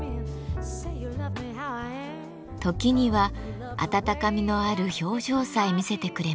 時にはあたたかみのある表情さえ見せてくれます。